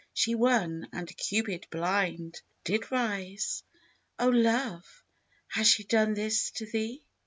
She won, and Cupid blind did rise. O Love, has she done this to thee?